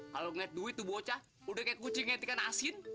kalo ngati duit tuh bocah udah kayak kucing ngantikan asin